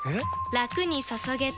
ラクに注げてペコ！